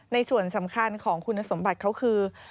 ส่วนสำคัญของคุณสมบัติเขาคือ